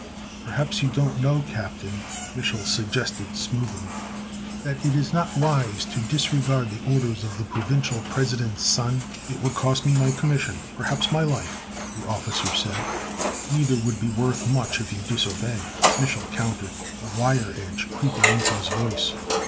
"Perhaps you don't know, Captain," Mich'l suggested smoothly, "that it is not wise to disregard the orders of the Provisional President's son?" "It would cost me my commission, perhaps my life!" the officer said. "Neither would be worth much if you disobey!" Mich'l countered, a wire edge creeping into his voice.